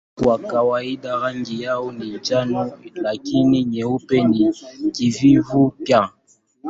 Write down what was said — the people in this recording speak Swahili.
Kwa kawaida rangi yao ni njano lakini nyeupe na kijivu pia.